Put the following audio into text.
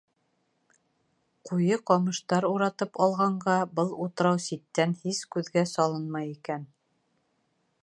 Ҡуйы ҡамыштар уратып алғанға, был утрау ситтән һис күҙгә салынмай икән.